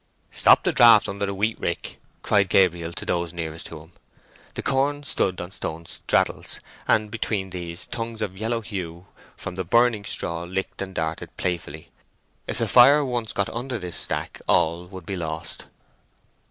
"Stop the draught under the wheat rick!" cried Gabriel to those nearest to him. The corn stood on stone staddles, and between these, tongues of yellow hue from the burning straw licked and darted playfully. If the fire once got under this stack, all would be lost.